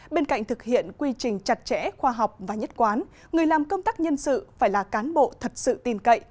bên cạnh thực hiện quy trình chặt chẽ khoa học và nhất quán người làm công tác nhân sự phải là cán bộ thật sự tin cậy